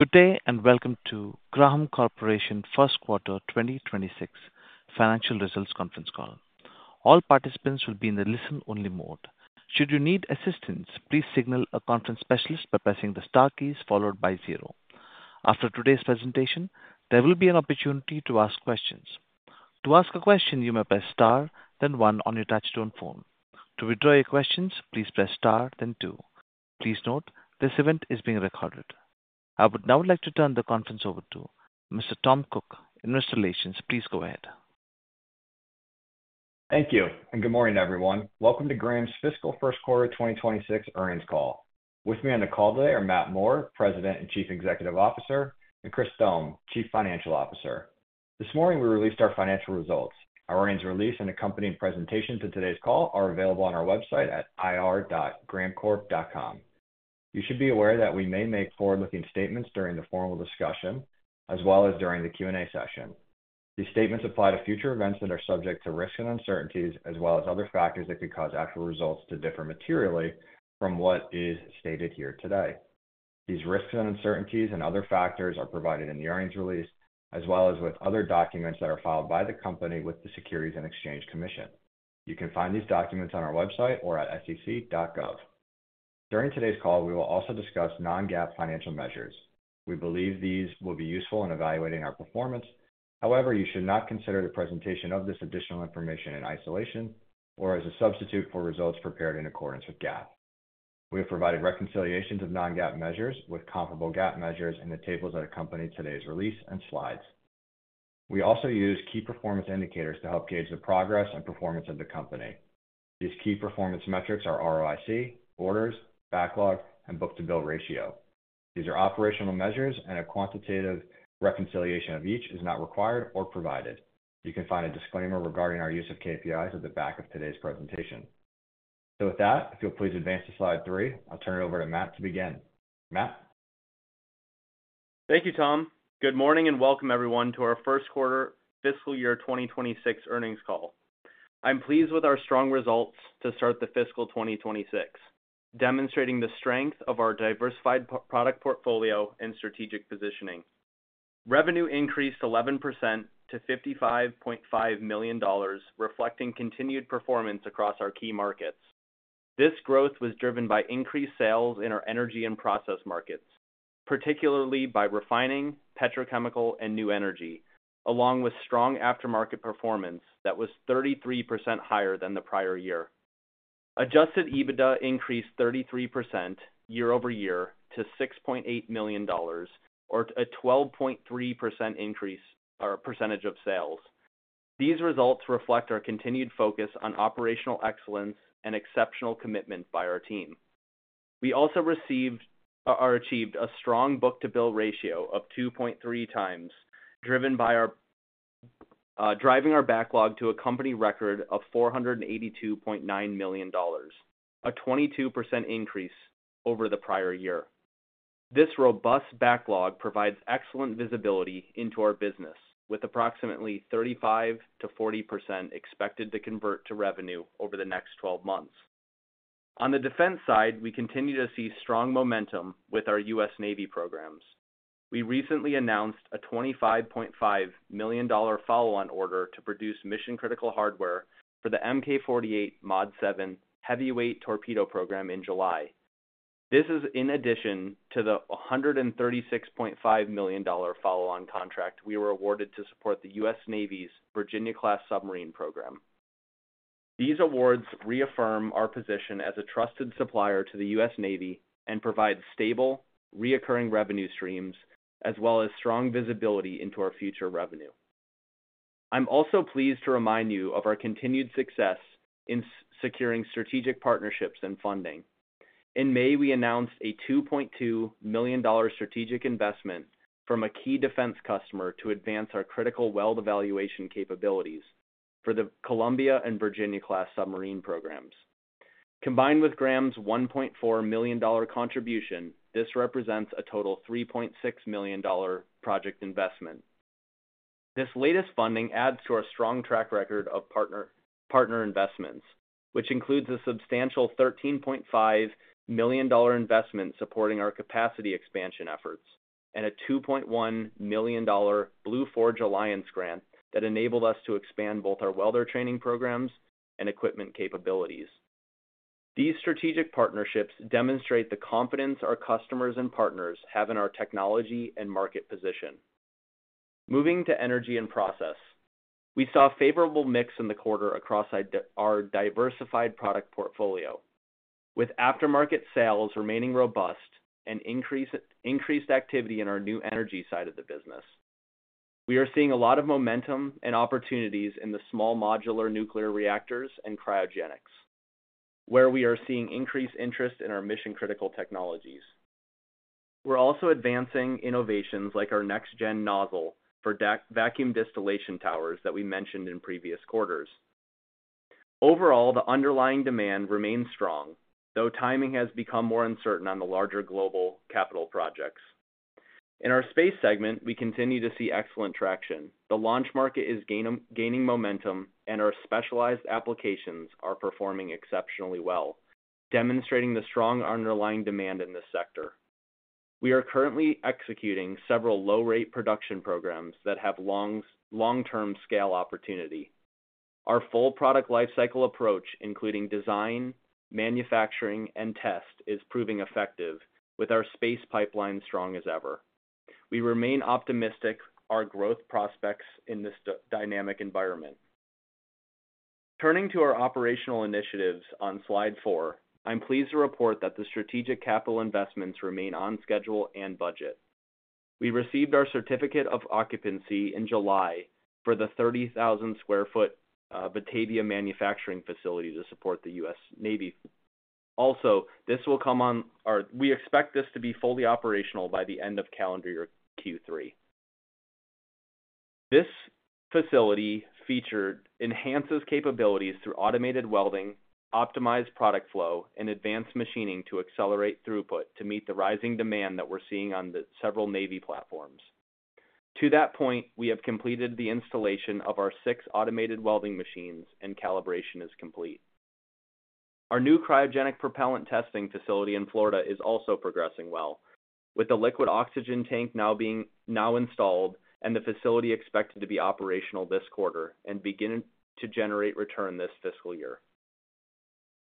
Good day and welcome to Graham Corporation First Quarter 2026 Financial Results Conference Call. All participants will be in the listen-only mode. Should you need assistance, please signal a conference specialist by pressing the star key followed by zero. After today's presentation, there will be an opportunity to ask questions. To ask a question, you may press star, then one on your touch-tone phone. To withdraw your questions, please press star, then two. Please note, this event is being recorded. I would now like to turn the conference over to Mr. Tom Cook. Introductions, please go ahead. Thank you, and good morning everyone. Welcome to Graham Corporation's Fiscal First Quarter 2026 earnings call. With me on the call today are Matthew Malone, President and Chief Executive Officer, and Chris Thome, Chief Financial Officer. This morning we released our financial results. Our earnings release and accompanying presentation to today's call are available on our website at ir.grahamcorp.com. You should be aware that we may make forward-looking statements during the formal discussion, as well as during the Q&A session. These statements apply to future events that are subject to risks and uncertainties, as well as other factors that could cause actual results to differ materially from what is stated here today. These risks and uncertainties and other factors are provided in the earnings release, as well as with other documents that are filed by the company with the Securities and Exchange Commission. You can find these documents on our website or at sec.gov. During today's call, we will also discuss non-GAAP financial measures. We believe these will be useful in evaluating our performance, however, you should not consider the presentation of this additional information in isolation or as a substitute for results prepared in accordance with GAAP. We have provided reconciliations of non-GAAP measures with comparable GAAP measures in the tables that accompany today's release and slides. We also use key performance indicators to help gauge the progress and performance of the company. These key performance metrics are ROIC, orders, backlog, and book-to-build ratio. These are operational measures, and a quantitative reconciliation of each is not required or provided. You can find a disclaimer regarding our use of KPIs at the back of today's presentation. If you'll please advance to slide three, I'll turn it over to Matt to begin. Matt? Thank you, Tom. Good morning and welcome everyone to our first quarter fiscal year 2026 earnings call. I'm pleased with our strong results to start the fiscal 2026, demonstrating the strength of our diversified product portfolio and strategic positioning. Revenue increased 11% to $55.5 million, reflecting continued performance across our key markets. This growth was driven by increased sales in our energy and process markets, particularly by refining, petrochemical, and new energy, along with strong aftermarket performance that was 33% higher than the prior year. Adjusted EBITDA increased 33% year-over-year to $6.8 million, or a 12.3% percentage of sales. These results reflect our continued focus on operational excellence and exceptional commitment by our team. We also achieved a strong book-to-build ratio of 2.3 times, driving our backlog to a company record of $482.9 million, a 22% increase over the prior year. This robust backlog provides excellent visibility into our business, with approximately 35%-40% expected to convert to revenue over the next 12 months. On the defense side, we continue to see strong momentum with our U.S. Navy programs. We recently announced a $25.5 million follow-on order to produce mission-critical hardware for the MK48 Mod 7 heavyweight torpedo program in July. This is in addition to the $136.5 million follow-on contract we were awarded to support the U.S. Navy's Virginia-class submarine program. These awards reaffirm our position as a trusted supplier to the U.S. Navy and provide stable, recurring revenue streams, as well as strong visibility into our future revenue. I'm also pleased to remind you of our continued success in securing strategic partnerships and funding. In May, we announced a $2.2 million strategic investment from a key defense customer to advance our critical weld evaluation capabilities for the Columbia and Virginia-class submarine programs. Combined with Graham's $1.4 million contribution, this represents a total $3.6 million project investment. This latest funding adds to our strong track record of partner investments, which includes a substantial $13.5 million investment supporting our capacity expansion efforts and a $2.1 million Blue Forge Alliance grant that enabled us to expand both our welder training programs and equipment capabilities. These strategic partnerships demonstrate the confidence our customers and partners have in our technology and market position. Moving to energy and process, we saw a favorable mix in the quarter across our diversified product portfolio, with aftermarket sales remaining robust and increased activity in our new energy side of the business. We are seeing a lot of momentum and opportunities in the small modular nuclear reactors and cryogenics, where we are seeing increased interest in our mission-critical technologies. We're also advancing innovations like our next-gen nozzle for vacuum distillation towers that we mentioned in previous quarters. Overall, the underlying demand remains strong, though timing has become more uncertain on the larger global capital projects. In our space segment, we continue to see excellent traction. The launch market is gaining momentum, and our specialized applications are performing exceptionally well, demonstrating the strong underlying demand in this sector. We are currently executing several low-rate production programs that have long-term scale opportunity. Our full product lifecycle approach, including design, manufacturing, and test, is proving effective, with our space pipeline strong as ever. We remain optimistic about our growth prospects in this dynamic environment. Turning to our operational initiatives on slide four, I'm pleased to report that the strategic capital investments remain on schedule and budget. We received our certificate of occupancy in July for the 30,000 square foot Batavia manufacturing facility to support the U.S. Navy. Also, this will come on, or we expect this to be fully operational by the end of calendar year Q3. This facility feature enhances capabilities through automated welding, optimized product flow, and advanced machining to accelerate throughput to meet the rising demand that we're seeing on the several Navy platforms. To that point, we have completed the installation of our six automated welding machines, and calibration is complete. Our new cryogenic propellant testing facility in Florida is also progressing well, with the liquid oxygen tank now being installed and the facility expected to be operational this quarter and begin to generate return this fiscal year.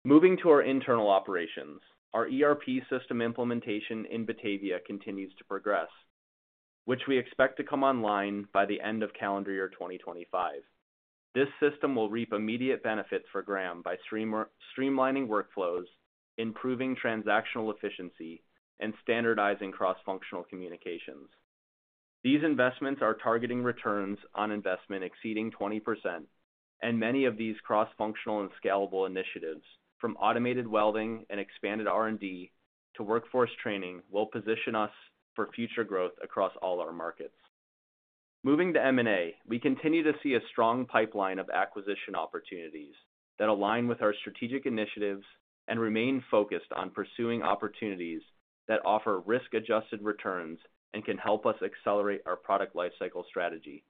Moving to our internal operations, our ERP system implementation in Batavia continues to progress, which we expect to come online by the end of calendar year 2025. This system will reap immediate benefits for Graham by streamlining workflows, improving transactional efficiency, and standardizing cross-functional communications. These investments are targeting returns on investment exceeding 20%, and many of these cross-functional and scalable initiatives, from automated welding and expanded R&D to workforce training, will position us for future growth across all our markets. Moving to M&A, we continue to see a strong pipeline of acquisition opportunities that align with our strategic initiatives and remain focused on pursuing opportunities that offer risk-adjusted returns and can help us accelerate our product lifecycle strategy.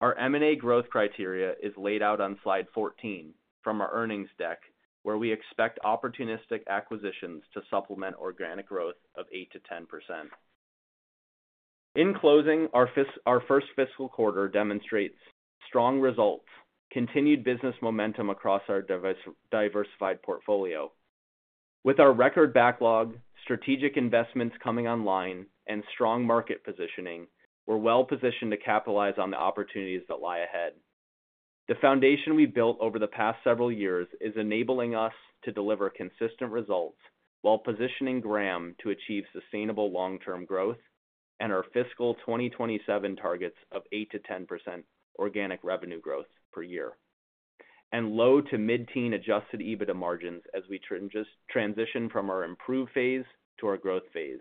Our M&A growth criteria is laid out on slide 14 from our earnings deck, where we expect opportunistic acquisitions to supplement organic growth of 8%-10%. In closing, our first fiscal quarter demonstrates strong results, continued business momentum across our diversified portfolio. With our record backlog, strategic investments coming online, and strong market positioning, we're well positioned to capitalize on the opportunities that lie ahead. The foundation we've built over the past several years is enabling us to deliver consistent results while positioning Graham to achieve sustainable long-term growth and our fiscal 2027 targets of 8%-10% organic revenue growth per year, and low to mid-teen adjusted EBITDA margins as we transition from our improved phase to our growth phase.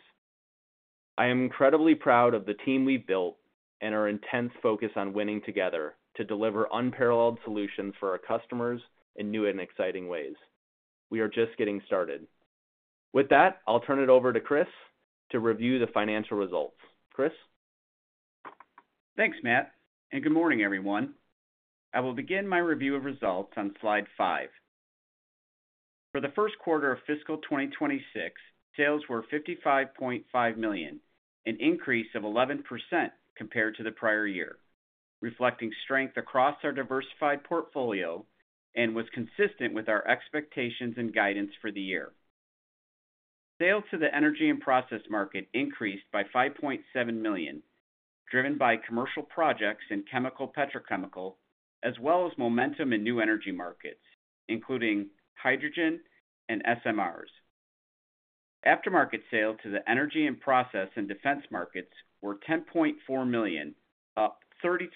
I am incredibly proud of the team we've built and our intense focus on winning together to deliver unparalleled solutions for our customers in new and exciting ways. We are just getting started. With that, I'll turn it over to Chris to review the financial results. Chris? Thanks, Matt, and good morning everyone. I will begin my review of results on slide five. For the first quarter of fiscal 2026, sales were $55.5 million, an increase of 11% compared to the prior year, reflecting strength across our diversified portfolio and was consistent with our expectations and guidance for the year. Sales to the energy and process market increased by $5.7 million, driven by commercial projects in chemical, petrochemical, as well as momentum in new energy markets, including hydrogen and SMRs. Aftermarket sales to the energy and process and defense markets were $10.4 million, up 33%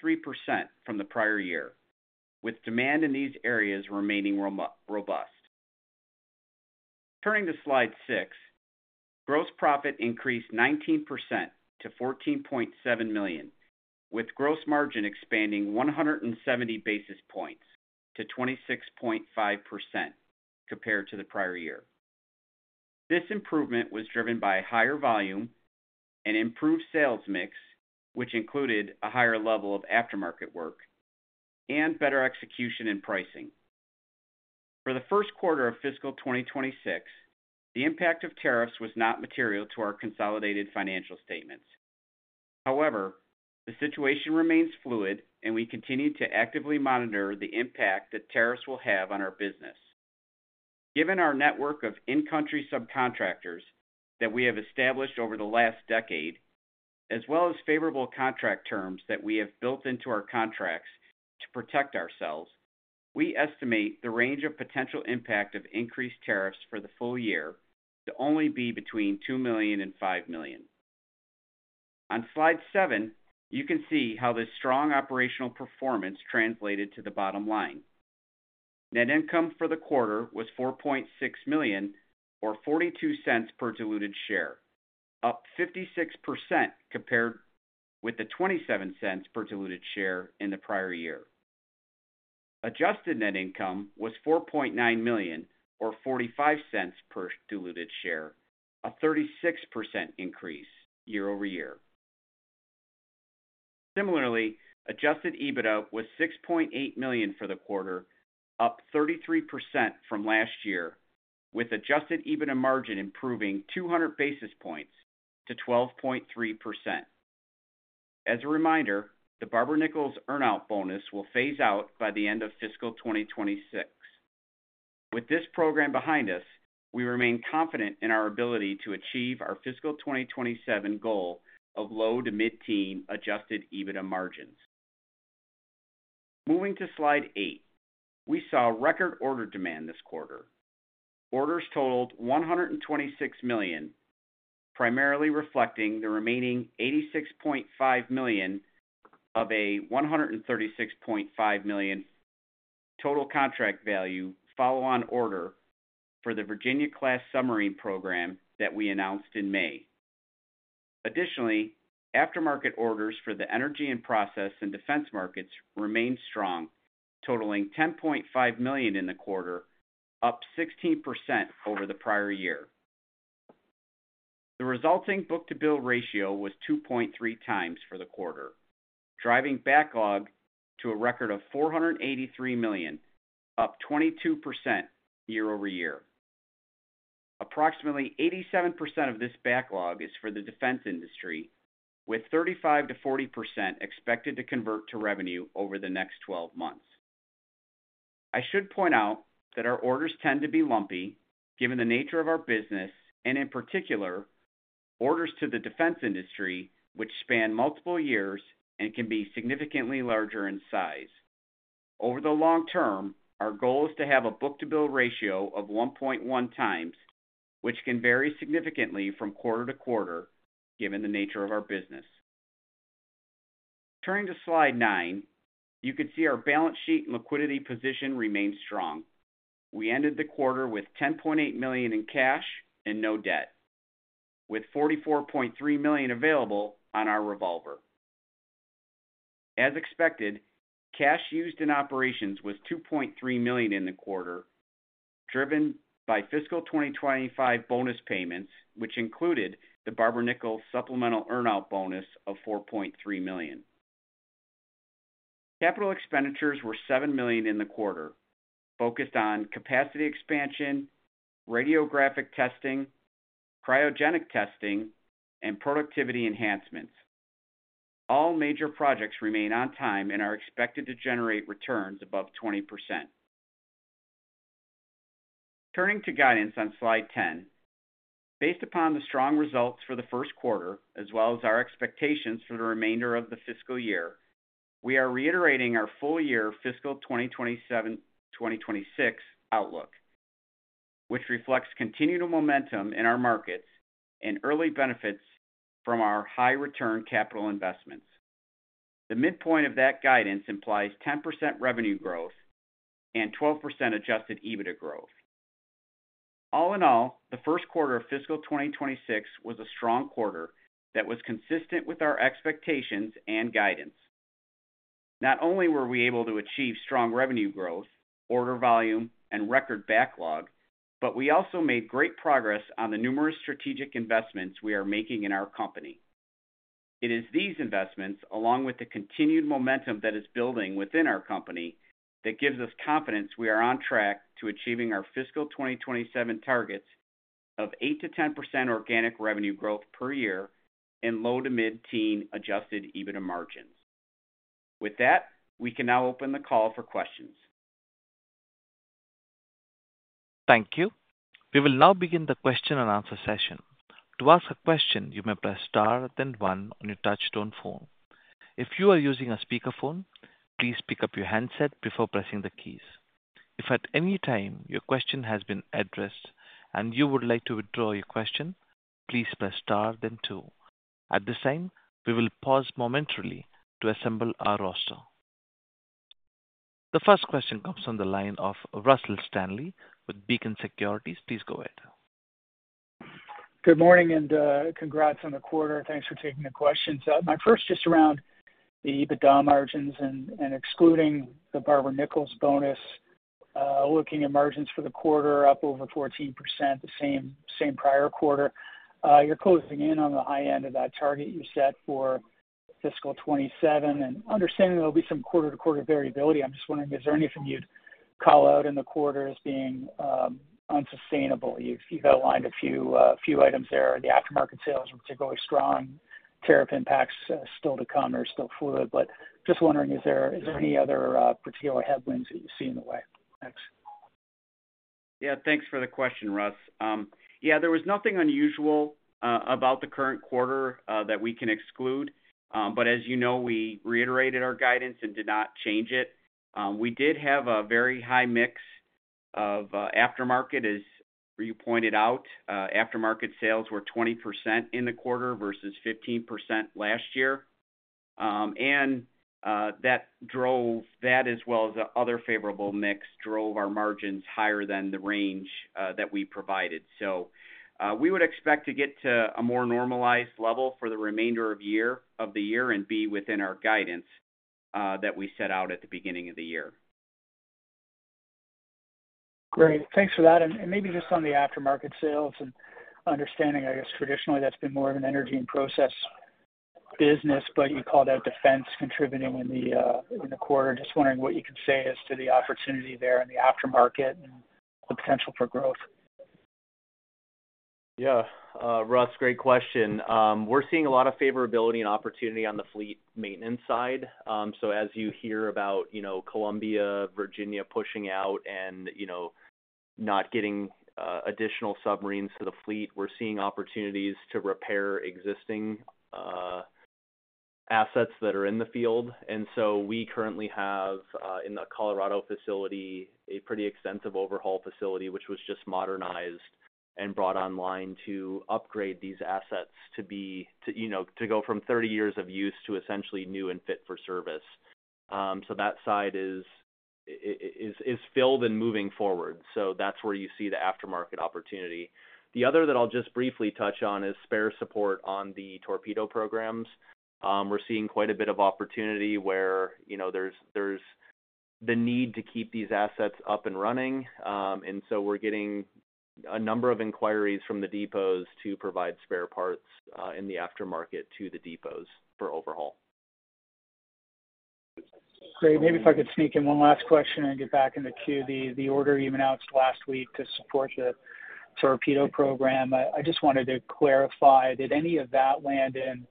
from the prior year, with demand in these areas remaining robust. Turning to slide six, gross profit increased 19% to $14.7 million, with gross margin expanding 170 basis points to 26.5% compared to the prior year. This improvement was driven by higher volume and improved sales mix, which included a higher level of aftermarket work and better execution in pricing. For the first quarter of fiscal 2026, the impact of tariffs was not material to our consolidated financial statements. However, the situation remains fluid, and we continue to actively monitor the impact that tariffs will have on our business. Given our network of in-country subcontractors that we have established over the last decade, as well as favorable contract terms that we have built into our contracts to protect ourselves, we estimate the range of potential impact of increased tariffs for the full year to only be between $2 million and $5 million. On slide seven, you can see how this strong operational performance translated to the bottom line. Net income for the quarter was $4.6 million or $0.42 per diluted share, up 56% compared with the $0.27 per diluted share in the prior year. Adjusted net income was $4.9 million or $0.45 per diluted share, a 36% increase year-over-year. Similarly, adjusted EBITDA was $6.8 million for the quarter, up 33% from last year, with adjusted EBITDA margin improving 200 basis points to 12.3%. As a reminder, the Barber-Nichols earnout bonus will phase out by the end of fiscal 2026. With this program behind us, we remain confident in our ability to achieve our fiscal 2027 goal of low to mid-teen adjusted EBITDA margins. Moving to slide eight, we saw record order demand this quarter. Orders totaled $126 million, primarily reflecting the remaining $86.5 million of a $136.5 million total contract value follow-on order for the Virginia-class submarine program that we announced in May. Additionally, aftermarket orders for the energy and process and defense markets remain strong, totaling $10.5 million in the quarter, up 16% over the prior year. The resulting book-to-build ratio was 2.3 times for the quarter, driving backlog to a record of $483 million, up 22% year-over-year. Approximately 87% of this backlog is for the defense industry, with 35%-40% expected to convert to revenue over the next 12 months. I should point out that our orders tend to be lumpy given the nature of our business, and in particular, orders to the defense industry, which span multiple years and can be significantly larger in size. Over the long term, our goal is to have a book-to-build ratio of 1.1 times, which can vary significantly from quarter to quarter given the nature of our business. Turning to slide nine, you can see our balance sheet and liquidity position remain strong. We ended the quarter with $10.8 million in cash and no debt, with $44.3 million available on our revolver. As expected, cash used in operations was $2.3 million in the quarter, driven by fiscal 2025 bonus payments, which included the Barber-Nichols supplemental earnout bonus of $4.3 million. Capital expenditures were $7 million in the quarter, focused on capacity expansion, radiographic testing, cryogenic testing, and productivity enhancements. All major projects remain on time and are expected to generate returns above 20%. Turning to guidance on slide 10, based upon the strong results for the first quarter as well as our expectations for the remainder of the fiscal year, we are reiterating our full-year fiscal 2026-2027 outlook, which reflects continued momentum in our markets and early benefits from our high-return capital investments. The midpoint of that guidance implies 10% revenue growth and 12% adjusted EBITDA growth. All in all, the first quarter of fiscal 2026 was a strong quarter that was consistent with our expectations and guidance. Not only were we able to achieve strong revenue growth, order volume, and record backlog, but we also made great progress on the numerous strategic investments we are making in our company. It is these investments, along with the continued momentum that is building within our company, that gives us confidence we are on track to achieving our fiscal 2027 targets of 8%-10% organic revenue growth per year and low to mid-teen adjusted EBITDA margins. With that, we can now open the call for questions. Thank you. We will now begin the question-and-answer session. To ask a question, you may press star, then one on your touch-tone phone. If you are using a speakerphone, please pick up your headset before pressing the keys. If at any time your question has been addressed and you would like to withdraw your question, please press star, then two. At this time, we will pause momentarily to assemble our roster. The first question comes from the line of Russell Stanley with Beacon Securities Limited. Please go ahead. Good morning and congrats on the quarter. Thanks for taking the questions. My first just around the EBITDA margins and excluding the Barber-Nichols bonus, looking at margins for the quarter up over 14%, the same prior quarter. You're closing in on the high end of that target you set for fiscal 2027, and understanding there'll be some quarter to quarter variability. I'm just wondering, is there anything you'd call out in the quarter as being unsustainable? You've outlined a few items there. The aftermarket sales are particularly strong. Tariff impacts still to come are still fluid, but just wondering, is there any other particular headwinds that you see in the way? Next. Yeah, thanks for the question, Russ. There was nothing unusual about the current quarter that we can exclude, but as you know, we reiterated our guidance and did not change it. We did have a very high mix of aftermarket, as you pointed out. Aftermarket sales were 20% in the quarter versus 15% last year, and that drove that as well as the other favorable mix drove our margins higher than the range that we provided. We would expect to get to a more normalized level for the remainder of the year and be within our guidance that we set out at the beginning of the year. Great, thanks for that. Maybe just on the aftermarket sales and understanding, I guess traditionally that's been more of an energy and process business, but you called out defense contributing in the quarter. Just wondering what you can say as to the opportunity there in the aftermarket and the potential for growth. Yeah, Russ, great question. We're seeing a lot of favorability and opportunity on the fleet maintenance side. As you hear about Columbia, Virginia pushing out and not getting additional submarines to the fleet, we're seeing opportunities to repair existing assets that are in the field. We currently have in the Colorado facility a pretty extensive overhaul facility, which was just modernized and brought online to upgrade these assets to be, you know, to go from 30 years of use to essentially new and fit for service. That side is filled and moving forward. That's where you see the aftermarket opportunity. The other that I'll just briefly touch on is spare support on the torpedo programs. We're seeing quite a bit of opportunity where there's the need to keep these assets up and running. We're getting a number of inquiries from the depots to provide spare parts in the aftermarket to the depots for overhaul. Great, maybe if I could sneak in one last question and get back into Q. The order even out last week to support the torpedo program. I just wanted to clarify, did any of that land in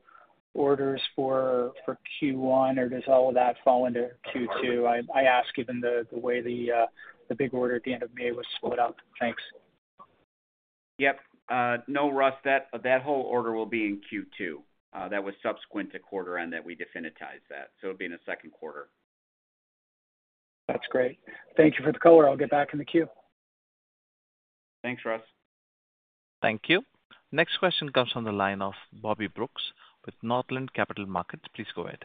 orders for Q1 or does all of that fall into Q2? I asked given the way the big order at the end of May was split out. Thanks. No, Russ, that whole order will be in Q2. That was subsequent to quarter end that we definitized that. It'll be in the second quarter. That's great. Thank you for the color. I'll get back in the queue. Thanks, Russ. Thank you. Next question comes from the line of Bobby Brooks with Northland Capital Markets. Please go ahead.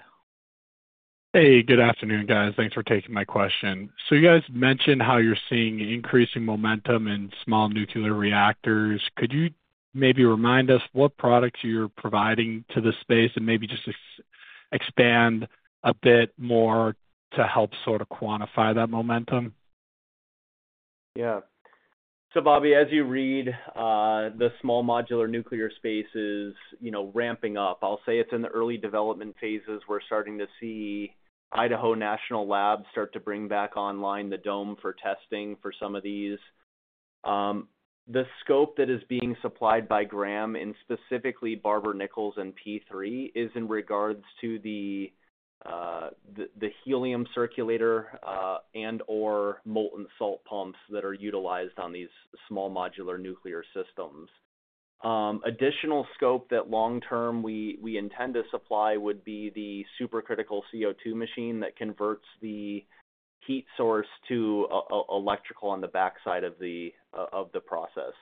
Good afternoon, guys. Thanks for taking my question. You mentioned how you're seeing increasing momentum in small modular nuclear reactors. Could you maybe remind us what products you're providing to the space and maybe just expand a bit more to help sort of quantify that momentum? Yeah, so Bobby, as you read, the small modular nuclear space is ramping up. I'll say it's in the early development phases. We're starting to see Idaho National Labs start to bring back online the dome for testing for some of these. The scope that is being supplied by Graham and specifically Barber-Nichols and P3 is in regards to the helium circulator and/or molten salt pumps that are utilized on these small modular nuclear systems. Additional scope that long-term we intend to supply would be the supercritical CO2 machine that converts the heat source to electrical on the backside of the process.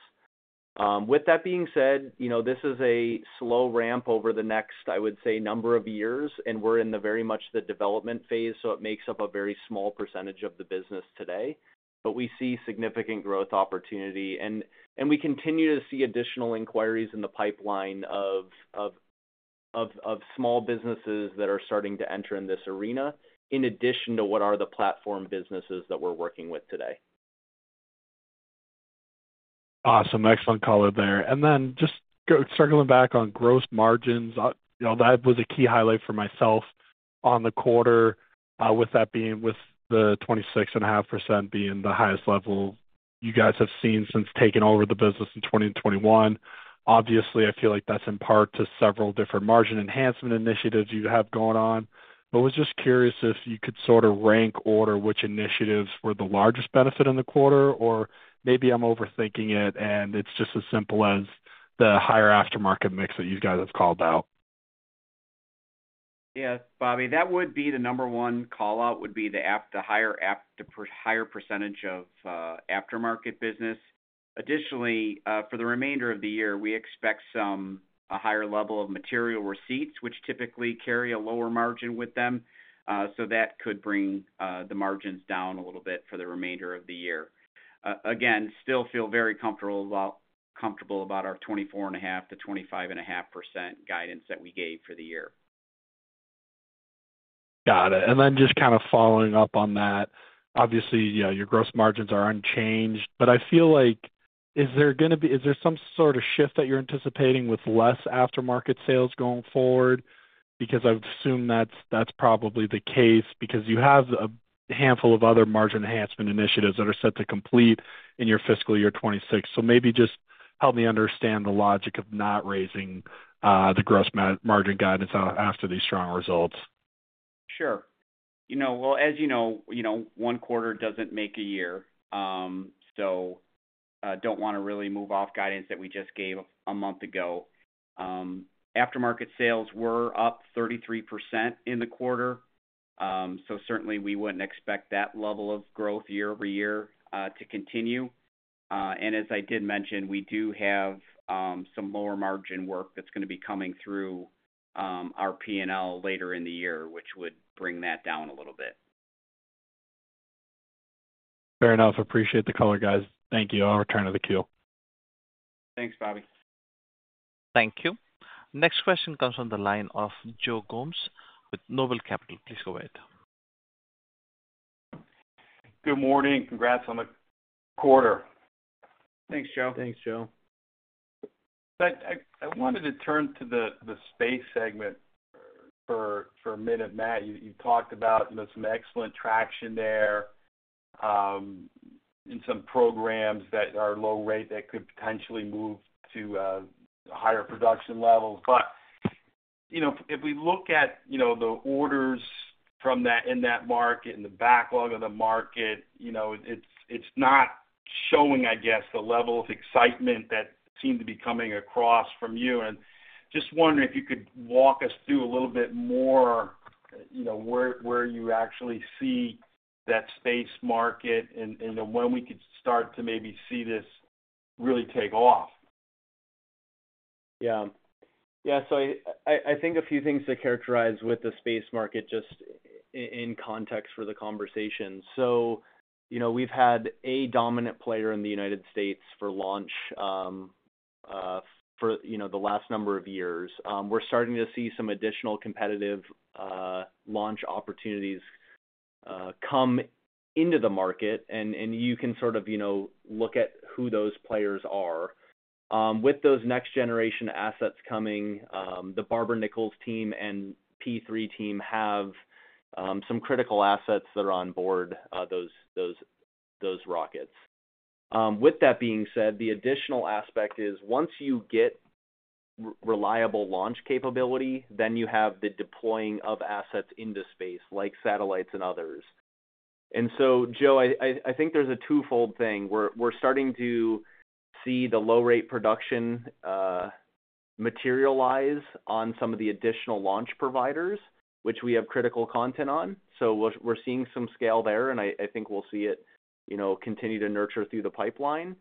With that being said, this is a slow ramp over the next, I would say, number of years, and we're in very much the development phase, so it makes up a very small percentage of the business today. We see significant growth opportunity, and we continue to see additional inquiries in the pipeline of small businesses that are starting to enter in this arena in addition to what are the platform businesses that we're working with today. Awesome, excellent color there. Just circling back on gross margins, you know, that was a key highlight for myself on the quarter, with that being the 26.5% being the highest level you guys have seen since taking over the business in 2021. Obviously, I feel like that's in part to several different margin enhancement initiatives you have going on, but was just curious if you could sort of rank order which initiatives were the largest benefit in the quarter, or maybe I'm overthinking it and it's just as simple as the higher aftermarket mix that you guys have called out. Yeah, Bobby, that would be the number one call out would be the higher percentage of aftermarket business. Additionally, for the remainder of the year, we expect some higher level of material receipts, which typically carry a lower margin with them. That could bring the margins down a little bit for the remainder of the year. Again, still feel very comfortable about our 24.5%-25.5% guidance that we gave for the year. Got it. Just kind of following up on that, obviously, you know, your gross margins are unchanged, but I feel like, is there going to be, is there some sort of shift that you're anticipating with less aftermarket sales going forward? I've assumed that's probably the case because you have a handful of other margin enhancement initiatives that are set to complete in your fiscal year 2026. Maybe just help me understand the logic of not raising the gross margin guidance after these strong results. Sure. As you know, one quarter doesn't make a year. I don't want to really move off guidance that we just gave a month ago. Aftermarket sales were up 33% in the quarter. Certainly, we wouldn't expect that level of growth year-over-year to continue. As I did mention, we do have some lower margin work that's going to be coming through our P&L later in the year, which would bring that down a little bit. Fair enough. Appreciate the color, guys. Thank you. I'll return to the queue. Thanks, Bobby. Thank you. Next question comes from the line of Joseph Anthony Gomes with NOBLE Capital Markets. Please go ahead. Good morning. Congrats on the quarter. Thanks, Joe. Thanks, Joe. I wanted to turn to the space segment for a minute, Matt. You talked about some excellent traction there and some programs that are low rate that could potentially move to higher production levels. If we look at the orders from that in that market and the backlog of the market, it's not showing, I guess, the level of excitement that seemed to be coming across from you. I'm just wondering if you could walk us through a little bit more, where you actually see that space market and when we could start to maybe see this really take off. Yeah, I think a few things to characterize with the space market just in context for the conversation. We've had a dominant player in the United States for launch for the last number of years. We're starting to see some additional competitive launch opportunities come into the market, and you can sort of look at who those players are. With those next-generation assets coming, the Barber-Nichols team and P3 team have some critical assets that are on board those rockets. With that being said, the additional aspect is once you get reliable launch capability, then you have the deploying of assets into space, like satellites and others. Joe, I think there's a twofold thing. We're starting to see the low-rate production materialize on some of the additional launch providers, which we have critical content on. We're seeing some scale there, and I think we'll see it continue to nurture through the pipeline.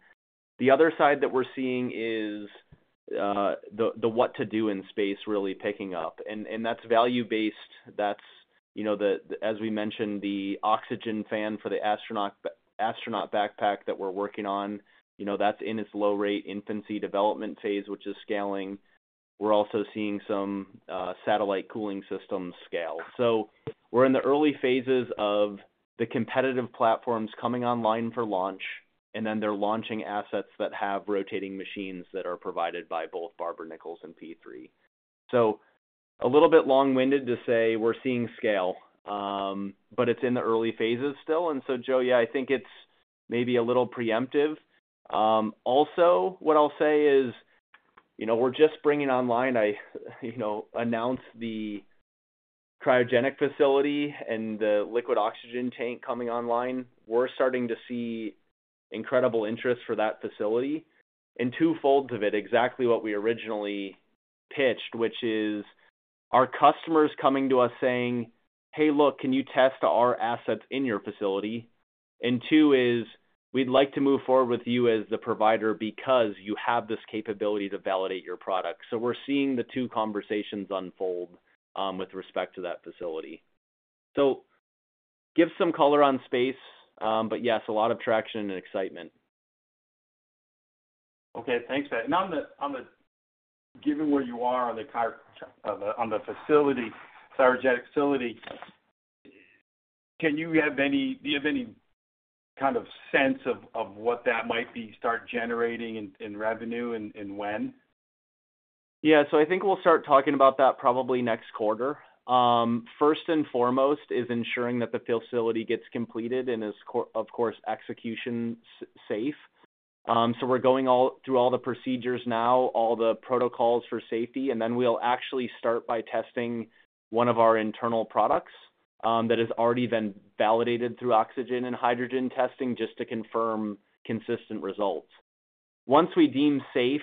The other side that we're seeing is the what-to-do in space really picking up, and that's value-based. That's, as we mentioned, the oxygen fan for the astronaut backpack that we're working on, that's in its low-rate infancy development phase, which is scaling. We're also seeing some satellite cooling systems scale. We're in the early phases of the competitive platforms coming online for launch, and then they're launching assets that have rotating machines that are provided by both Barber-Nichols and P3. A little bit long-winded to say we're seeing scale, but it's in the early phases still. Joe, I think it's maybe a little preemptive. Also, what I'll say is we're just bringing online, I announced the cryogenic facility and the liquid oxygen tank coming online. We're starting to see incredible interest for that facility. Twofold to it, exactly what we originally pitched, which is our customers coming to us saying, "Hey, look, can you test our assets in your facility?" and two is, "We'd like to move forward with you as the provider because you have this capability to validate your product." We're seeing the two conversations unfold with respect to that facility. Give some color on space, but yes, a lot of traction and excitement. Okay, thanks for that. Now, given where you are on the facility, cryogenic facility, do you have any kind of sense of what that might start generating in revenue and when? I think we'll start talking about that probably next quarter. First and foremost is ensuring that the facility gets completed and is, of course, execution safe. We're going through all the procedures now, all the protocols for safety, and then we'll actually start by testing one of our internal products that has already been validated through oxygen and hydrogen testing just to confirm consistent results. Once we deem safe,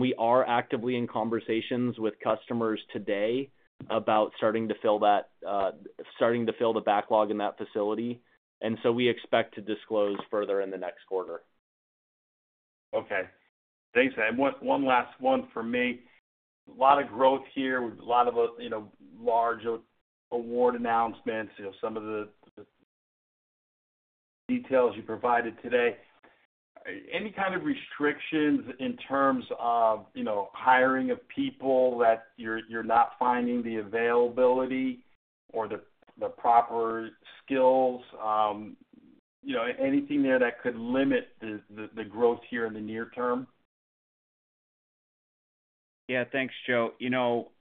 we are actively in conversations with customers today about starting to fill that, starting to fill the backlog in that facility. We expect to disclose further in the next quarter. Okay, thanks for that. One last one for me. A lot of growth here, a lot of large award announcements, some of the details you provided today. Any kind of restrictions in terms of hiring of people that you're not finding the availability or the proper skills? Anything there that could limit the growth here in the near term? Yeah, thanks, Joe.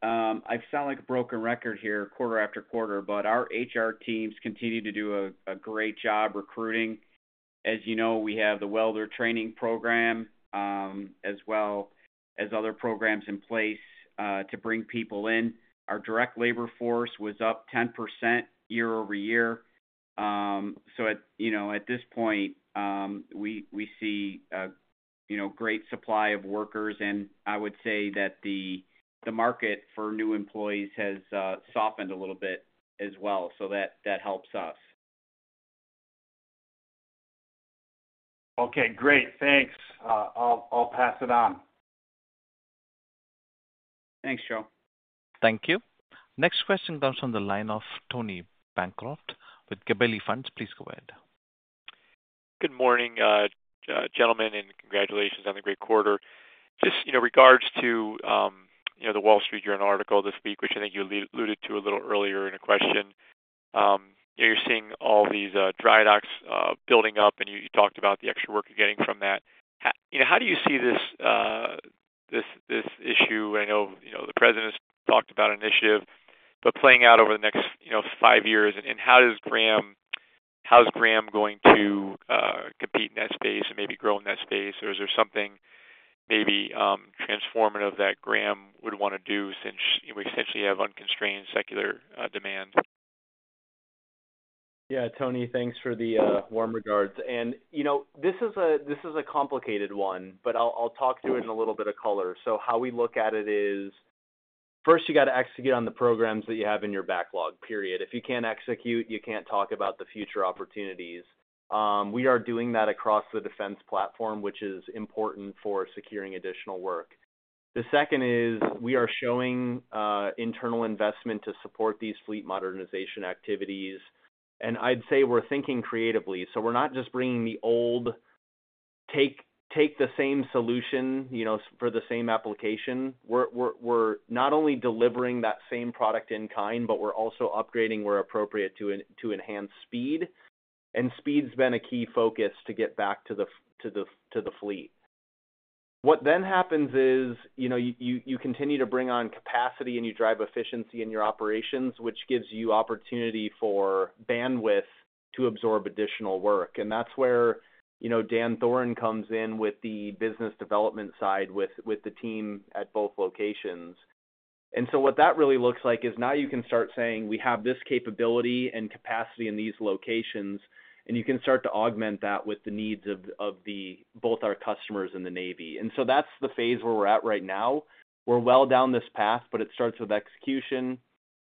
I sound like a broken record here quarter after quarter, but our HR teams continue to do a great job recruiting. As you know, we have the welder training program, as well as other programs in place to bring people in. Our direct labor force was up 10% year-over-year. At this point, we see a great supply of workers, and I would say that the market for new employees has softened a little bit as well. That helps us. Okay, great. Thanks. I'll pass it on. Thanks, Joe. Thank you. Next question comes from the line of Tony Bancroft with Gabelli Funds. Please go ahead. Good morning, gentlemen, and congratulations on the great quarter. In regards to the Wall Street Journal article this week, which I think you alluded to a little earlier in a question, you're seeing all these dry docks building up, and you talked about the extra work you're getting from that. How do you see this issue? I know the president's talked about initiative, but playing out over the next five years, and how does Graham, how's Graham going to compete in that space and maybe grow in that space, or is there something maybe transformative that Graham would want to do since we essentially have unconstrained secular demand? Yeah, Tony, thanks for the warm regards. This is a complicated one, but I'll talk to it in a little bit of color. How we look at it is, first, you got to execute on the programs that you have in your backlog, period. If you can't execute, you can't talk about the future opportunities. We are doing that across the defense platform, which is important for securing additional work. The second is we are showing internal investment to support these fleet modernization activities. I'd say we're thinking creatively. We're not just bringing the old, take the same solution for the same application. We're not only delivering that same product in kind, but we're also upgrading where appropriate to enhance speed. Speed's been a key focus to get back to the fleet. What then happens is you continue to bring on capacity and you drive efficiency in your operations, which gives you opportunity for bandwidth to absorb additional work. That's where Dan Thoren comes in with the business development side with the team at both locations. What that really looks like is now you can start saying we have this capability and capacity in these locations, and you can start to augment that with the needs of both our customers and the Navy. That's the phase where we're at right now. We're well down this path, but it starts with execution,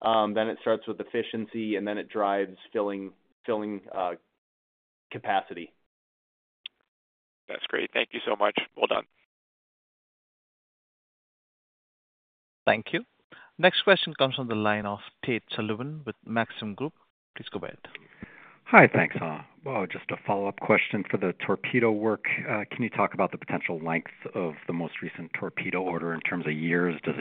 then it starts with efficiency, and then it drives filling capacity. That's great. Thank you so much. Well done. Thank you. Next question comes from the line of Tate Sullivan with Maxim Group. Please go ahead. Hi, thanks. Just a follow-up question for the torpedo work. Can you talk about the potential length of the most recent torpedo order in terms of years? Does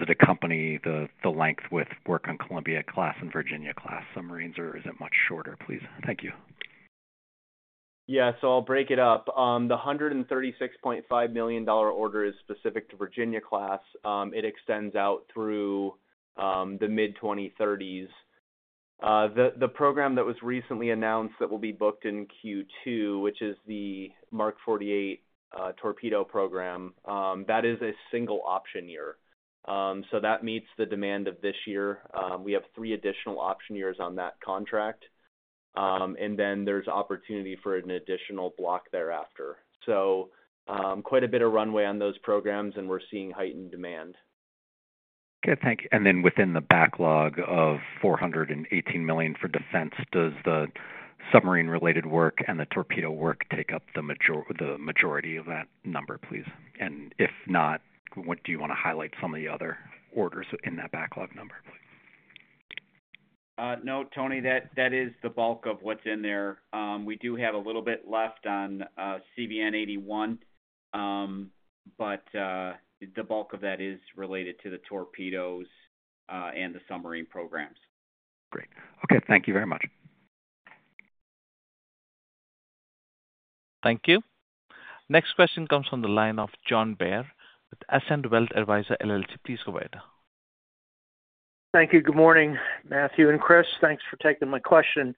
it accompany the length with work on Columbia-class and Virginia-class submarines, or is it much shorter? Please, thank you. I'll break it up. The $136.5 million order is specific to Virginia-class. It extends out through the mid-2030s. The program that was recently announced that will be booked in Q2, which is the Mark 48 torpedo program, is a single option year. That meets the demand of this year. We have three additional option years on that contract, and there's opportunity for an additional block thereafter. Quite a bit of runway on those programs, and we're seeing heightened demand. Okay, thank you. Within the backlog of $418 million for defense, does the submarine-related work and the torpedo work take up the majority of that number, please? If not, do you want to highlight some of the other orders in that backlog number? No, Tony, that is the bulk of what's in there. We do have a little bit left on CBN 81, but the bulk of that is related to the torpedoes and the submarine programs. Great. Okay, thank you very much. Thank you. Next question comes from the line of John Baer with Ascend Wealth Advisor LLC. Please go ahead. Thank you. Good morning, Matthew and Chris. Thanks for taking my question.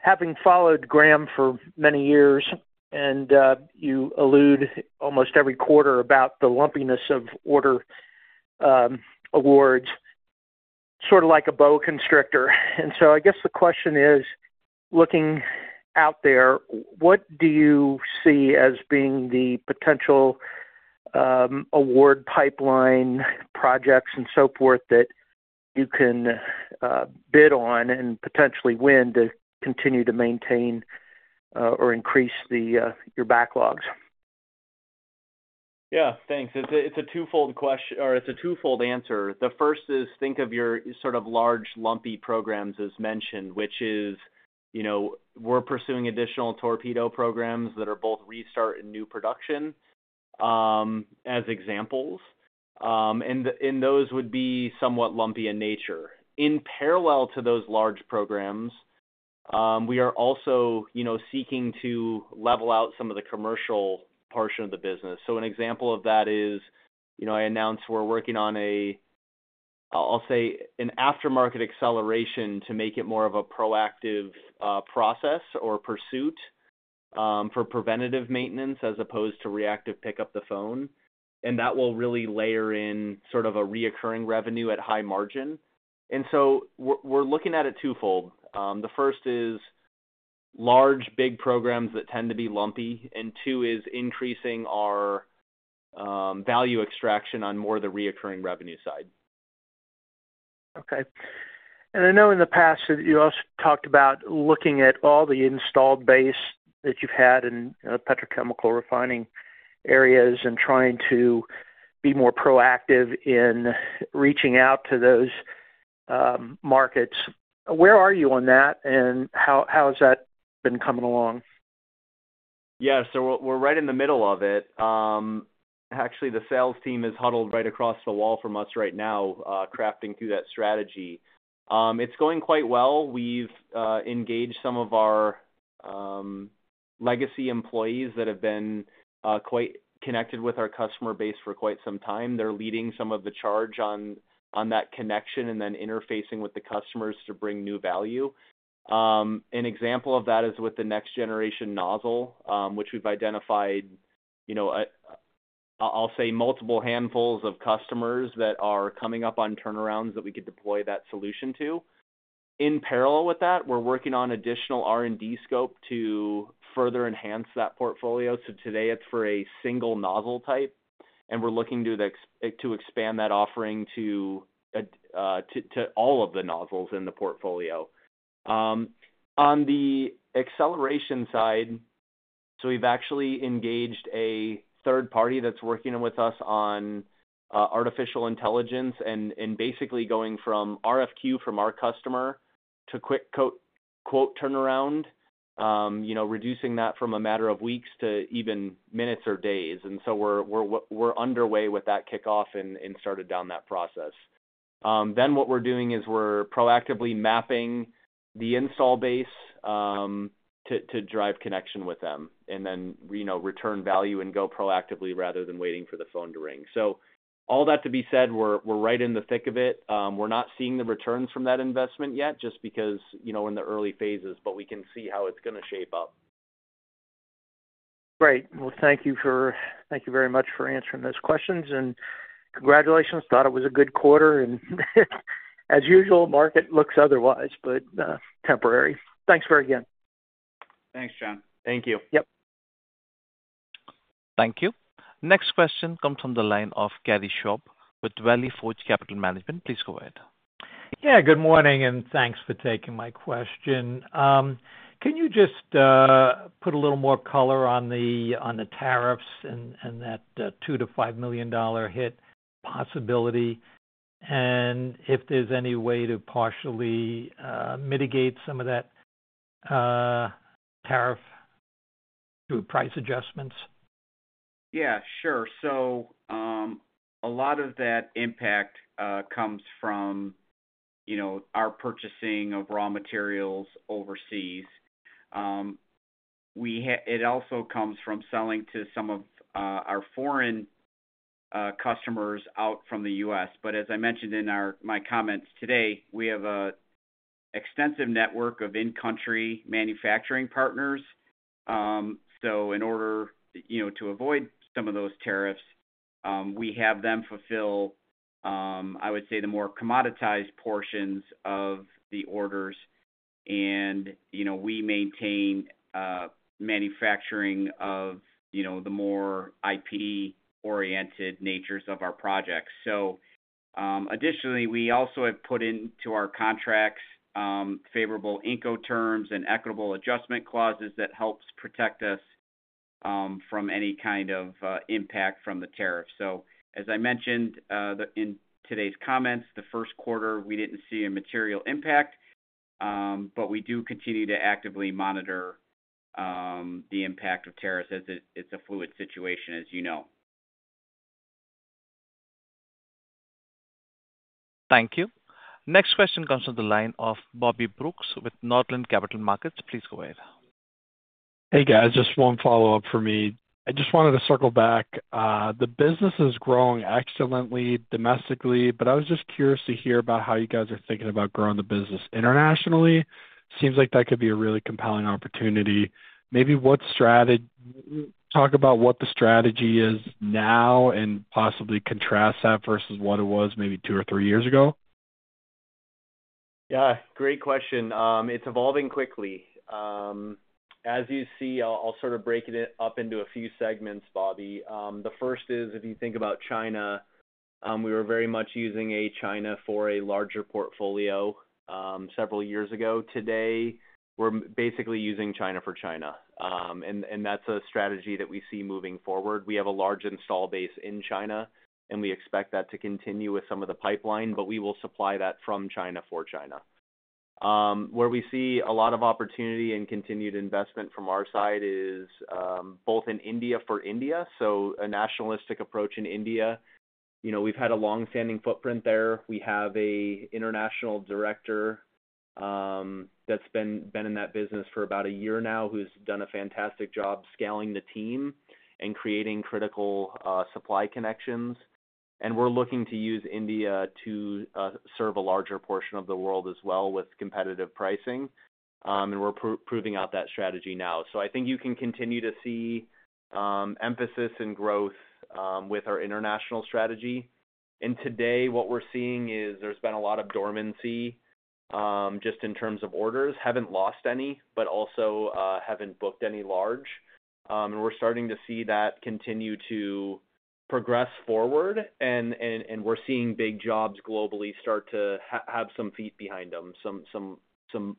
Having followed Graham for many years, and you allude almost every quarter about the lumpiness of order awards, sort of like a boa constrictor. I guess the question is, looking out there, what do you see as being the potential award pipeline projects and so forth that you can bid on and potentially win to continue to maintain or increase your backlogs? Yeah, thanks. It's a twofold question, or it's a twofold answer. The first is think of your sort of large lumpy programs as mentioned, which is, you know, we're pursuing additional torpedo programs that are both restart and new production as examples. Those would be somewhat lumpy in nature. In parallel to those large programs, we are also, you know, seeking to level out some of the commercial portion of the business. An example of that is, you know, I announced we're working on a, I'll say, an aftermarket acceleration to make it more of a proactive process or pursuit for preventative maintenance as opposed to reactive pick up the phone. That will really layer in sort of a recurring revenue at high margin. We're looking at it twofold. The first is large, big programs that tend to be lumpy, and two is increasing our value extraction on more of the recurring revenue side. Okay. I know in the past you also talked about looking at all the installed base that you've had in petrochemical refining areas and trying to be more proactive in reaching out to those markets. Where are you on that, and how has that been coming along? Yeah, so we're right in the middle of it. Actually, the sales team is huddled right across the wall from us right now, crafting through that strategy. It's going quite well. We've engaged some of our legacy employees that have been quite connected with our customer base for quite some time. They're leading some of the charge on that connection and then interfacing with the customers to bring new value. An example of that is with the next-generation nozzle, which we've identified, you know, I'll say multiple handfuls of customers that are coming up on turnarounds that we could deploy that solution to. In parallel with that, we're working on additional R&D scope to further enhance that portfolio. Today it's for a single nozzle type, and we're looking to expand that offering to all of the nozzles in the portfolio. On the acceleration side, we've actually engaged a third party that's working with us on artificial intelligence and basically going from RFQ from our customer to quick quote turnaround, reducing that from a matter of weeks to even minutes or days. We're underway with that kickoff and started down that process. What we're doing is we're proactively mapping the install base to drive connection with them and then, you know, return value and go proactively rather than waiting for the phone to ring. All that to be said, we're right in the thick of it. We're not seeing the returns from that investment yet just because, you know, we're in the early phases, but we can see how it's going to shape up. Thank you very much for answering those questions and congratulations. Thought it was a good quarter, and as usual, the market looks otherwise, but temporary. Thanks again. Thanks, John. Thank you. Yep. Thank you. Next question comes from the line of Gary Schwab with Valley Forge Capital Management. Please go ahead. Good morning and thanks for taking my question. Can you just put a little more color on the tariffs and that $2 million-$5 million hit possibility, and if there's any way to partially mitigate some of that tariff through price adjustments? Yeah, sure. A lot of that impact comes from our purchasing of raw materials overseas. It also comes from selling to some of our foreign customers out from the U.S. As I mentioned in my comments today, we have an extensive network of in-country manufacturing partners. In order to avoid some of those tariffs, we have them fulfill the more commoditized portions of the orders, and we maintain manufacturing of the more IP-oriented natures of our projects. Additionally, we also have put into our contracts favorable INCO terms and equitable adjustment clauses that help protect us from any kind of impact from the tariffs. As I mentioned in today's comments, the first quarter we didn't see a material impact, but we do continue to actively monitor the impact of tariffs as it's a fluid situation, as you know. Thank you. Next question comes from the line of Bobby Brooks with Northland Capital Markets. Please go ahead. Hey guys, just one follow-up for me. I just wanted to circle back. The business is growing excellently domestically, but I was just curious to hear about how you guys are thinking about growing the business internationally. Seems like that could be a really compelling opportunity. Maybe what strategy, talk about what the strategy is now and possibly contrast that versus what it was maybe two or three years ago. Yeah, great question. It's evolving quickly. As you see, I'll sort of break it up into a few segments, Bobby. The first is if you think about China, we were very much using China for a larger portfolio several years ago. Today, we're basically using China for China, and that's a strategy that we see moving forward. We have a large install base in China, and we expect that to continue with some of the pipeline, but we will supply that from China for China. Where we see a lot of opportunity and continued investment from our side is both in India for India. A nationalistic approach in India, you know, we've had a longstanding footprint there. We have an international director that's been in that business for about a year now, who's done a fantastic job scaling the team and creating critical supply connections. We're looking to use India to serve a larger portion of the world as well with competitive pricing, and we're proving out that strategy now. I think you can continue to see emphasis and growth with our international strategy. Today, what we're seeing is there's been a lot of dormancy just in terms of orders. Haven't lost any, but also haven't booked any large. We're starting to see that continue to progress forward, and we're seeing big jobs globally start to have some feet behind them, some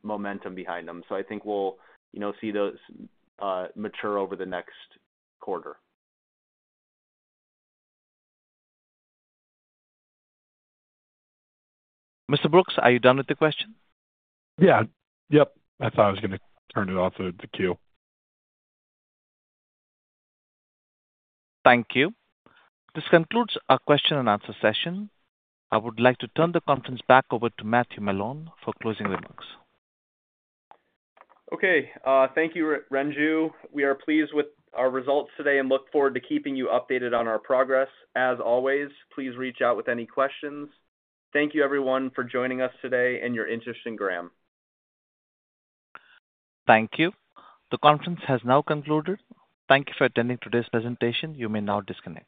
momentum behind them. I think we'll see those mature over the next quarter. Mr. Brooks, are you done with the question? Yeah, I thought I was going to turn it off to the queue. Thank you. This concludes our question-and-answer session. I would like to turn the conference back over to Matthew Malone for closing remarks. Okay, thank you, Ranju. We are pleased with our results today and look forward to keeping you updated on our progress. As always, please reach out with any questions. Thank you, everyone, for joining us today and your interest in Graham. Thank you. The conference has now concluded. Thank you for attending today's presentation. You may now disconnect.